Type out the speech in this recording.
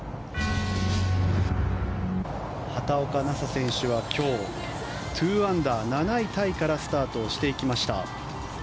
畑岡奈紗選手は今日、２アンダー、７位タイからスタートをしていきました。